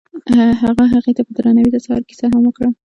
هغه هغې ته په درناوي د سهار کیسه هم وکړه.